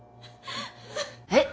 えっ！？